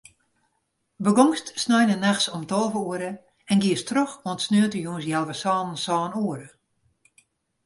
Begûnst sneintenachts om tolve oere en giest troch oant sneontejûns healwei sânen, sân oere.